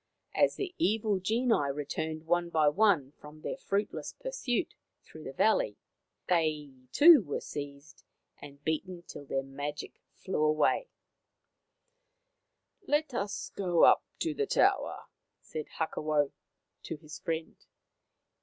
As the evil genii returned one by one from their fruitless pursuit through the valley, they too were seized and beaten till their magic flew away. *5o Maoriland Fairy Tales " Let us go up to the tower/ ' said Hakawau to his friend.